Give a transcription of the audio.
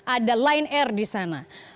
ada line air di sana